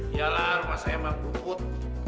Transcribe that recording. iyalah rumah saya memang butut